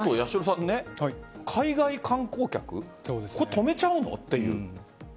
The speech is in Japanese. あと海外観光客止めちゃうのっていう。